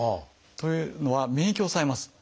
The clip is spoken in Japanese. というのは免疫を抑えます。